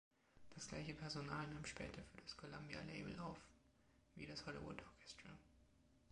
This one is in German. Das gleiche Personal nahm später für das Columbia-Label auf wie das Hollywood Orchestra.